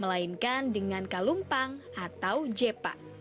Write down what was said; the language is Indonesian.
melainkan dengan kalumpang atau jepa